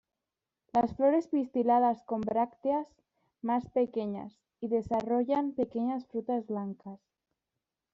Las flores pistiladas con brácteas más pequeñas y desarrollan pequeñas frutas blancas.